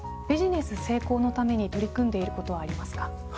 ビジネス成功のために取り組んでいることはありますか？